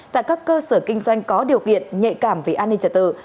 tại các cơ sở kinh doanh có điều kiện nhạy cảm về an ninh trật tự